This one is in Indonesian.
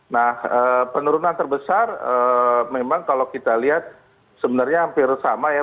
nah penurunan terbesar memang kalau kita lihat sebenarnya hampir sama ya